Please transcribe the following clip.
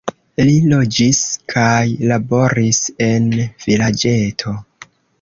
Li loĝis kaj laboris en vilaĝeto.